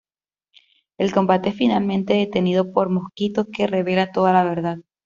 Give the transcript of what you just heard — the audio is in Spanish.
El combate es finalmente detenido por Mosquito, que revela toda la verdad.